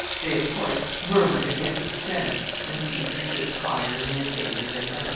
They, of course, murmured against the Senate, and Caesar stood higher in their favor than ever.